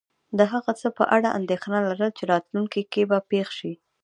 د هغه څه په اړه انېښنه لرل چی راتلونکي کې به پیښ شې